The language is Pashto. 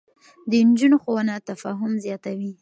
د نجونو ښوونه تفاهم زياتوي.